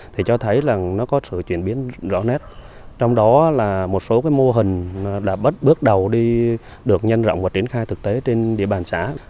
thì cho thấy là nó có sự chuyển biến rõ nét trong đó là một số cái mô hình đã bắt bước đầu đi được nhân rộng và triển khai thực tế trên địa bàn xã